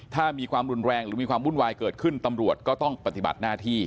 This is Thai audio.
ถ้ามีความรุนแรงหรือมีความวุ่นวายเกิดขึ้นตำรวจก็ต้องปฏิบัติหน้าที่